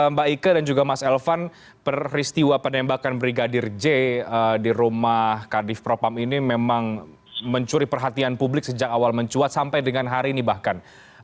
mbak ike dan juga mas elvan peristiwa penembakan brigadir j di rumah kadif propam ini memang mencuri perhatian publik sejak awal mencuat sampai dengan hari ini bahkan